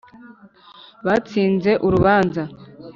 batsinze urubanza